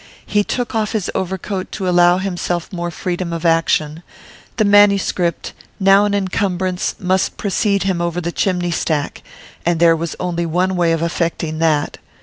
He took off his overcoat to allow himself more freedom of action; the manuscript, now an encumbrance, must precede him over the chimney stack, and there was only one way of effecting that.